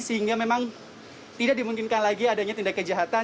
sehingga memang tidak dimungkinkan lagi adanya tindak kejahatan